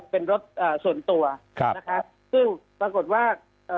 เป็นรถส่วนตัวซึ่งปรากฏว่า